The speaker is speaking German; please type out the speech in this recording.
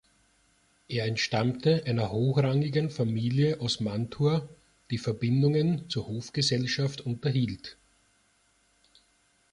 Er entstammte einer hochrangigen Familie aus Mantua, die Verbindungen zur Hofgesellschaft unterhielt.